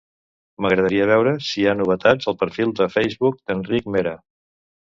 M'agradaria veure si hi ha novetats al perfil de Facebook d'Enric Mera.